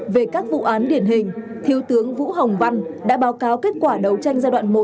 về các vụ án điển hình thiếu tướng vũ hồng văn đã báo cáo kết quả đấu tranh giai đoạn một